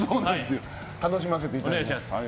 楽しませていただきます。